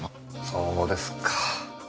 そうですか。